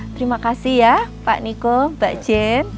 terima kasih ya pak niko mbak jen